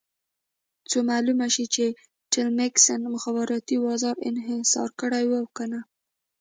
څو معلومه شي چې ټیلمکس مخابراتي بازار انحصار کړی او که نه.